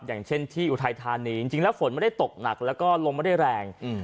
อย่างเช่นที่อุทัยธานีจริงแล้วฝนไม่ได้ตกหนักแล้วก็ลมไม่ได้แรง